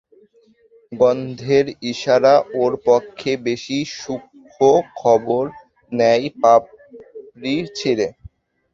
গন্ধের ইশারা ওর পক্ষে বেশি ক্ষূক্ষ্ম, খবর নেয় পাপড়ি ছিঁড়ে।